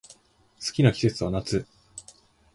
好きな季節は夏